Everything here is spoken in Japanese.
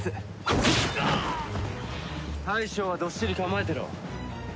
大将はどっしり構えてろ。